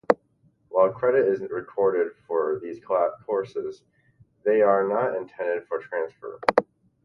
While credit is recorded for these courses, they are not intended for transfer.